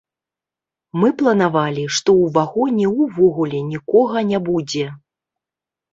Мы планавалі, што ў вагоне увогуле нікога не будзе.